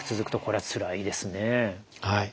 はい。